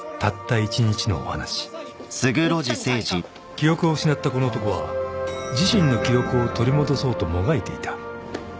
［記憶を失ったこの男は自身の記憶を取り戻そうともがいていた］